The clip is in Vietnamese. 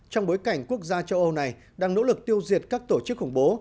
trong bối cảnh quốc gia châu âu này đang nỗ lực tiêu diệt các tổ chức khủng bố